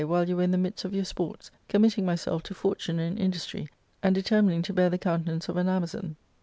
while you were in the midst of your sports, committing myself to fortune and industry, and determining to bear the countenance of an Amazon.